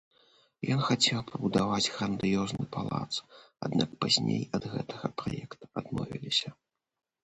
Ён хацеў пабудаваць грандыёзны палац, аднак пазней ад гэтага праекта адмовіліся.